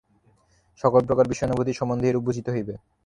সকল প্রকার বিষয়ানুভূতি সম্বন্ধেই এরূপ বুঝিতে হইবে।